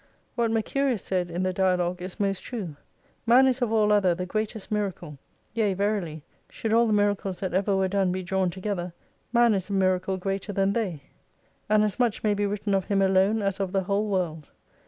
What Mercurius said in the dialogue is most true, Man is oj all other the greatest miracle, yea verily, should all the miracles that ever were done be drawn together, Man is a miracle greater than they. And as much may be written of him alone as of the whole world.